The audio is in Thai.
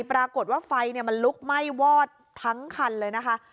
ปรากฏว่าไฟมันลุกไหม้วอดทั้งคันเลยนะคะ